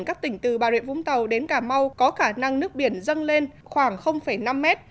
các tỉnh từ bà rịa vũng tàu đến cà mau có khả năng nước biển dâng lên khoảng năm mét